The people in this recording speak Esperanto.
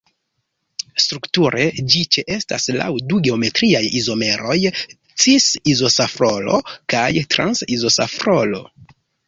Strukture ĝi ĉeestas laŭ du geometriaj izomeroj, cis-izosafrolo kaj trans-izosafrolo.